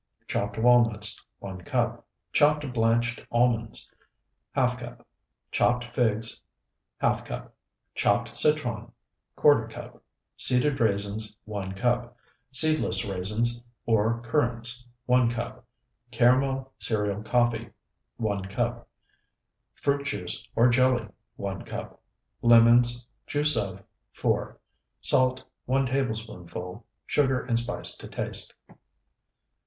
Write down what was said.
Chopped walnuts, 1 cup. Chopped blanched almonds, ½ cup. Chopped figs, ½ cup. Chopped citron, ¼ cup. Seeded raisins, 1 cup. Seedless raisins or currants, 1 cup. Caramel cereal coffee, 1 cup. Fruit juice or jelly, 1 cup. Lemons, juice of, 4. Salt, 1 tablespoonful. Sugar and spice to taste.